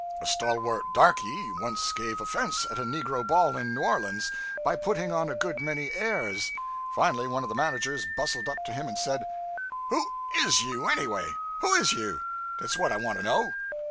A stalwart darkey once gave offense at a negro ball in New Orleans by putting on a good many airs. Finally one of the managers bustled up to him and said 'Who is you, any way? Who is you? dat's what I wants to know!'